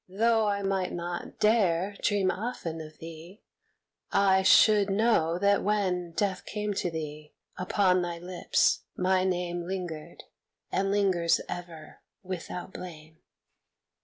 Though I might not dare Dream often of thee, I should know that when Death came to thee upon thy lips my name Lingered, and lingers ever without blame.